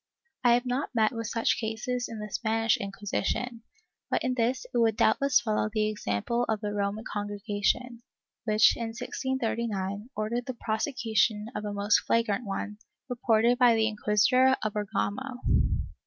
I have not met with such cases in the Spanish Inquisi tion, but in this it would doubtless follow the example of the Roman Congregation, which, in 1639, ordered the prosecution of a most flagrant one, reported by the Inquisitor of Bergamo.